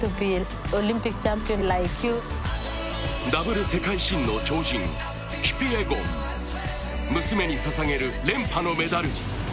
ダブル世界新の超人、キピエゴン娘にささげる連覇のメダル。